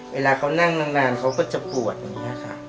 เวลาเขานั่งนานเขาก็จะปวดอย่างนี้ค่ะ